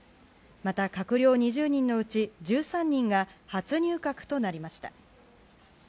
また閣僚２０人のうち１３人が初入閣となりました。